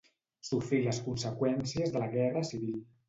Sofrí les conseqüències de la Guerra Civil.